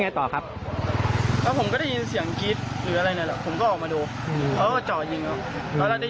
ที่สวมหมวกกับนั่งคล่อมเหมือนกับรอใครแบบเนี่ยอยู่หลายชั่วโมงแล้วนะครับ